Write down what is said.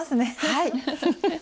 はい。